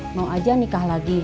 mau aja nikah lagi